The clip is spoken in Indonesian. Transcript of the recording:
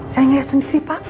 saya ngeliat sendiri pak